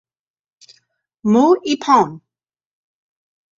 Mou Ippon!